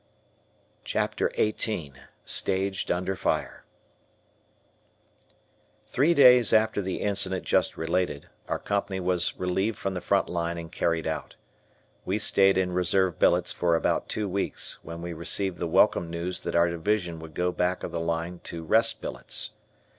CHAPTER XVIII STAGED UNDER FIRE Three days after the incident just related our Company was relieved from the front line and carried out. We stayed in reserve billets for about two weeks when we received the welcome news that our division would go back of the line "to rest billets."